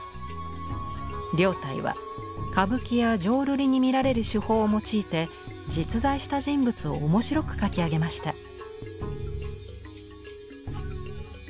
凌岱は歌舞伎や浄瑠璃に見られる手法を用いて実在した人物を面白く書き上げました。